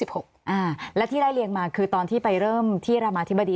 ห์แล้วที่ได้เรียงมาคือตอนที่ไปเริ่มพวกรมาธิบดี